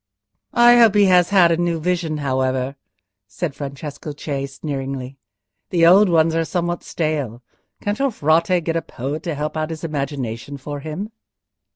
"I hope he has had a new vision, however," said Francesco Cei, sneeringly. "The old ones are somewhat stale. Can't your Frate get a poet to help out his imagination for him?"